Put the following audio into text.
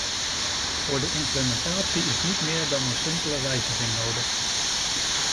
Voor de implementatie is niet meer dan een simpele wijziging nodig.